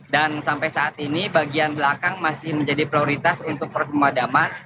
dan sampai saat ini bagian belakang masih menjadi prioritas untuk perpemadaman